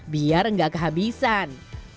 biar enggak kehabisan